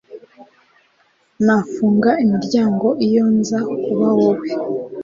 Nafunga imiryango iyo nza kuba wowe